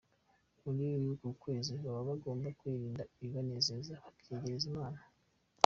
Muri uku kwezi baba bagomba kwirinda ibibanezeza bakiyegereza Imana.